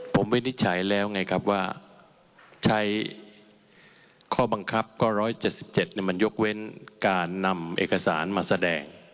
ผมวินิจฉัยแล้วไงครับว่าใช้ข้อบังคับก็๑๗๗มันยกเว้นการนำเอกสารมาแสดง